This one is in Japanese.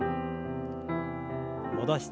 戻して。